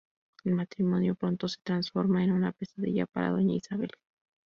El matrimonio pronto se transforma en una pesadilla para Doña Isabela.